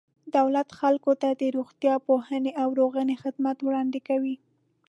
دولت خلکو ته د روغتیا، پوهنې او رغونې خدمات وړاندې کوي.